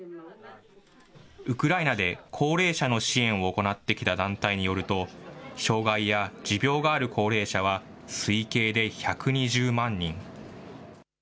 ウクライナで高齢者の支援を行ってきた団体によると、障害や持病がある高齢者は推計で１２０万人。